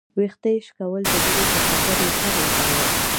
ويښته يې شكول د مړي پر ټټر يې سر لګاوه.